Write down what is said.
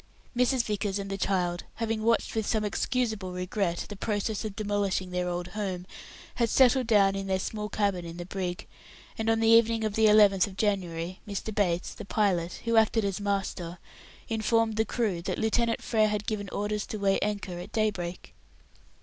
Mrs. Vickers and the child, having watched with some excusable regret the process of demolishing their old home, had settled down in their small cabin in the brig, and on the evening of the 11th of January, Mr. Bates, the pilot, who acted as master, informed the crew that Lieutenant Frere had given orders to weigh anchor at daybreak.